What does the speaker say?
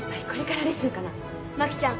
真紀ちゃん